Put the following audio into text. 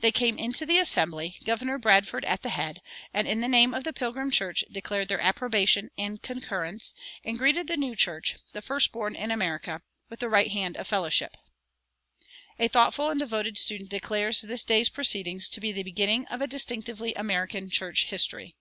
They came into the assembly, Governor Bradford at the head, and in the name of the Pilgrim church declared their "approbation and concurrence," and greeted the new church, the first born in America, with "the right hand of fellowship." A thoughtful and devoted student declares this day's proceedings to be "the beginning of a distinctively American church history."